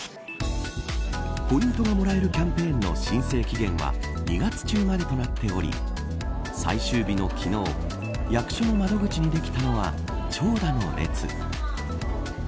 ポイントがもらえるキャンペーンの申請期限は２月中までとなっており最終日の昨日役所の窓口にできたのは長蛇の列。